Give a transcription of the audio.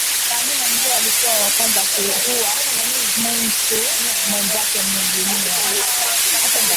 Kahina njo alikuwa wakwanza kuhuwa muntu mwenzake mu dunia